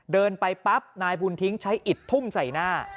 เดินไปปั๊บนายบุญทิ้งใช้อิดทุ่มใส่หน้า